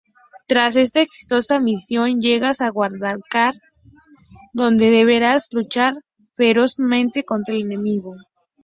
Tras esta exitosa misión llegas a Guadalcanal, donde deberás luchar ferozmente contra el enemigo.